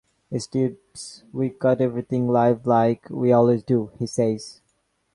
"Steve's we cut everything live, like we always do," he says.